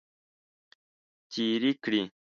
تیرې کړې.